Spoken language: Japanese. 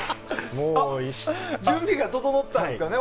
準備が整ったんですかね。